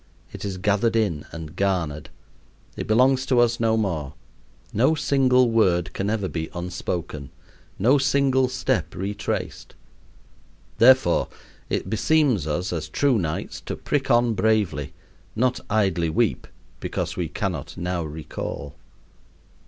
It is gathered in and garnered. It belongs to us no more. No single word can ever be unspoken; no single step retraced. Therefore it beseems us as true knights to prick on bravely, not idly weep because we cannot now recall.